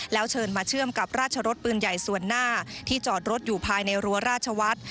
แล้วเชิญมาเชื่อมกับราชรสปืนใหญ่ส่วนหน้าที่จอดรถอยู่ภายในรัวราชวัฒน์